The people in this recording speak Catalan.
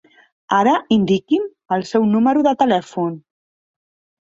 Ara indiqui'm el seu número de telèfon.